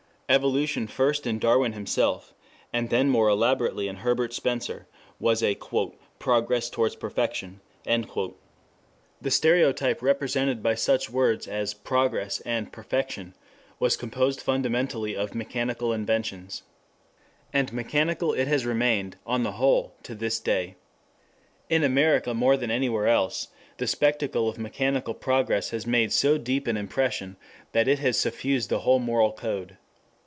Evolution first in Darwin himself, and then more elaborately in Herbert Spencer, was a "progress towards perfection." 2 The stereotype represented by such words as "progress" and "perfection" was composed fundamentally of mechanical inventions. And mechanical it has remained, on the whole, to this day. In America more than anywhere else, the spectacle of mechanical progress has made so deep an impression, that it has suffused the whole moral code.